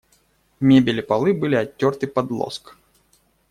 Мебель и полы были оттерты под лоск.